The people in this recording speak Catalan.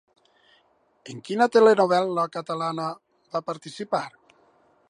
En quina telenovel·la catalana va participar?